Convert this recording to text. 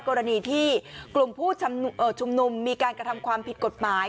กรณีที่กลุ่มผู้ชุมนุมมีการกระทำความผิดกฎหมาย